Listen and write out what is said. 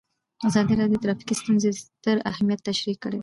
ازادي راډیو د ټرافیکي ستونزې ستر اهميت تشریح کړی.